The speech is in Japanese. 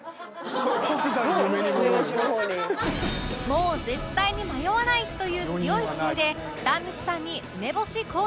もう絶対に迷わないという強い姿勢で壇蜜さんに梅干し購入！